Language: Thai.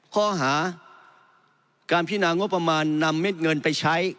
ข้อหาการพินางบประมาณนำเม็ดเงินไปใช้